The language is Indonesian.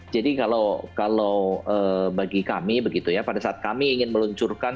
jadi kalau bagi kami begitu ya pada saat kami ingin meluncurkan